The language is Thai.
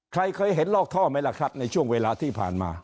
ใครเคยเห็นลอกท่อไหมล่ะครับในช่วงเวลาที่ผ่านมา